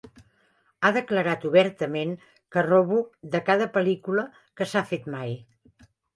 Ha declarat obertament que robo de cada pel·lícula que s'ha fet mai.